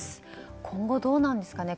今後、どうなんですかね。